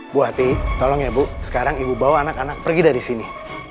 bu ati tolong ya bu sekarang ibu bawa anak anak pergi dari sini